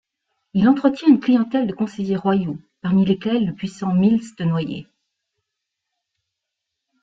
Il entretient une clientèle de conseillers royaux, parmi lesquels le puissant Miles de Noyers.